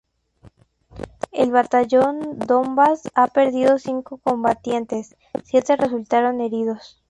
El Batallón "Donbas" ha perdido cinco combatientes, siete resultaron heridos.